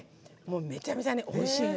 めちゃくちゃおいしいの。